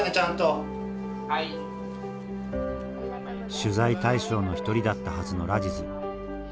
取材対象の一人だったはずのラジズ。